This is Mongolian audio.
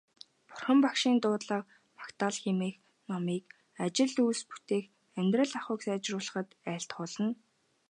Бурхан Багшийн дуудлага магтаал хэмээх номыг ажил үйлс бүтээх, амьдрал ахуйг сайжруулахад айлтгуулна.